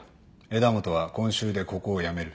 枝元は今週でここを辞める。